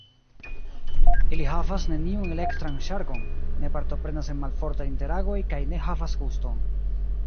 Ili havas neniun elektran ŝargon, ne partoprenas en malfortaj interagoj kaj ne havas guston.